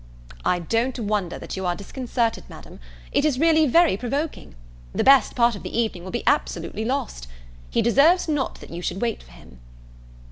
"I don't wonder that you are disconcerted, Madam; it is really very provoking. The best part of the evening will be absolutely lost. He deserves not that you should wait for him."